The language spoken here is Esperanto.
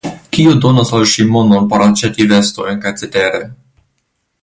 Kiu donos al ŝi monon por aĉeti vestojn kaj cetere.